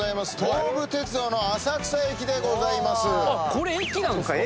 これ駅なんすか？